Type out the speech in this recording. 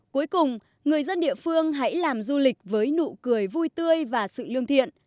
cuối cùng người dân địa phương hãy làm du lịch với nụ cười vui tươi và sự lương thiện